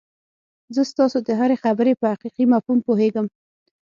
زه ستاسو د هرې خبرې په حقيقي مفهوم پوهېږم.